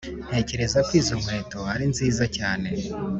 ntekereza ko izo nkweto ari nziza cyane.